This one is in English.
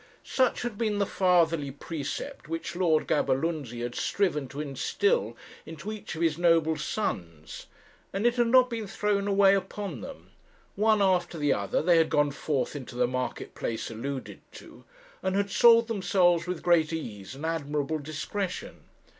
Such had been the fatherly precept which Lord Gaberlunzie had striven to instil into each of his noble sons; and it had not been thrown away upon them. One after the other they had gone forth into the market place alluded to, and had sold themselves with great ease and admirable discretion.